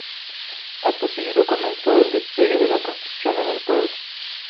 Acto seguido comienza el despegue de la construcción en el pueblo.